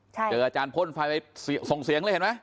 เจออาจารย์พ่นไฟไปส่งเสียงเลยเห็นไหม